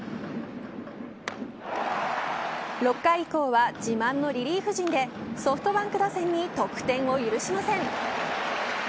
６回以降は自慢のリリーフ陣でソフトバンク打線に得点を許しません。